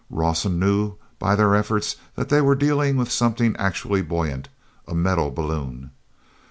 Rawson knew by their efforts that they were dealing with something actually buoyant, a metal balloon.